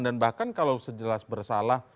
dan bahkan kalau sejelas bersalah